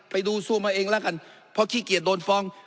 ไปดูซวมมาเองแล้วกันเพราะขี้เกียจโดนฟ้อง